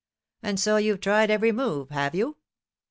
And so you've tried every move, have you?